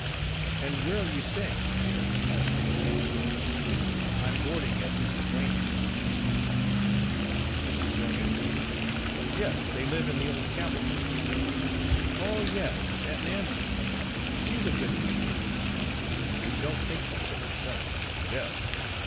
"And where are you staying, my dear?" asked the good lady. "I'm boarding at Mrs. Wain's," answered Rena. "Mrs. Wain's?" "Yes, they live in the old Campbell place." "Oh, yes Aunt Nancy. She's a good enough woman, but we don't think much of her son Jeff.